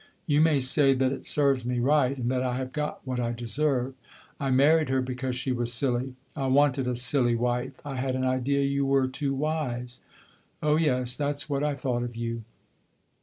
You may say that it serves me right, and that I have got what I deserve. I married her because she was silly. I wanted a silly wife; I had an idea you were too wise. Oh, yes, that 's what I thought of you!